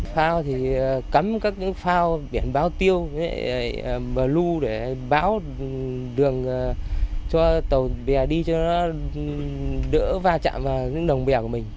phao thì cấm các những phao biển báo tiêu bờ lưu để báo đường cho tàu bè đi cho nó đỡ va chạm vào những đồng bè của mình